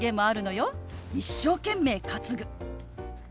「一生懸命担ぐ」。